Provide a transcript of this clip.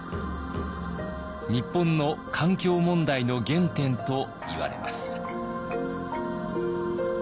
日本の環境問題の原点といわれます。